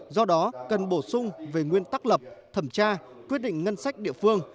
do đó cần bổ sung về nguyên tắc lập thẩm tra quyết định ngân sách địa phương